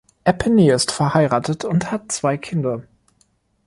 Epiney ist verheiratet und hat zwei Kinder.